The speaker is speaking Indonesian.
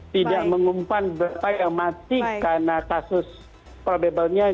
tidak mengumpan berapa yang mati karena kasus probable nya